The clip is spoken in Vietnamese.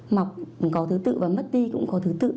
mọc có thứ tự và mất đi cũng có thứ tự